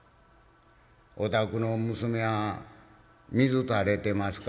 お宅の娘はん水垂れてますか？」